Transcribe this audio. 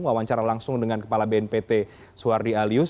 wawancara langsung dengan kepala bnpt suhardi alyus